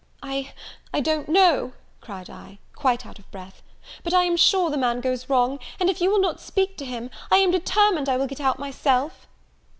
"I I don't know," cried I (quite out of breath), "but I am sure the man goes wrong; and if you will not speak to him, I am determined I will get out myself."